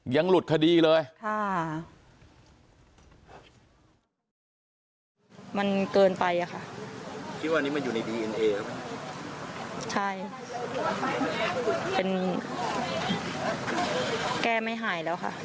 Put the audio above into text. ยังหลุดคดีเลย